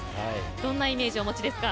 どんなイメージをお持ちですか。